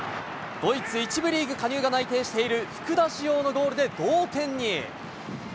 ドイツ１部リーグ加入が内定している、福田師王のゴールで同点に。